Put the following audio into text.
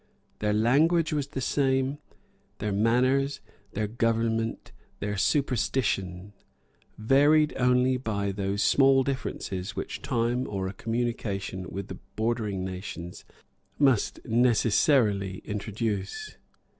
Their language was the same, their manners, their government, their superstition; varied only by those small differences which time or a communication with the bordering nations must necessarily introduce.